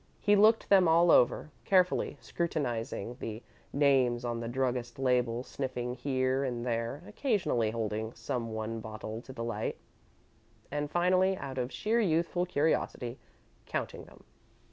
He looked them all over, carefully, scrutinising the names on the druggist's labels, sniffing here and there, occasionally holding some one bottle to the light, and finally, out of sheer youthful curiosity, counting them.